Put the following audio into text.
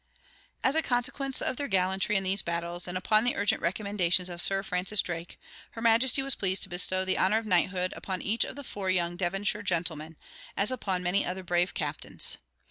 As a consequence of their gallantry in these battles, and upon the urgent recommendations of Sir Francis Drake, her majesty was pleased to bestow the honor of knighthood upon each of the four young Devonshire gentlemen, as upon many other brave captains.